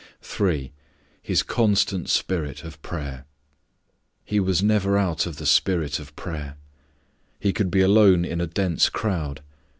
3. His constant spirit of prayer: He was never out of the spirit of prayer. He could be alone in a dense crowd.